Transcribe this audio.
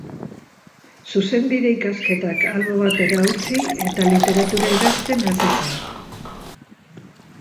Zuzenbide ikasketak albo batera utzi, eta literatura idazten hasi zen.